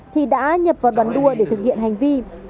thì đã nhập vào đoàn đua để thực hiện hành vi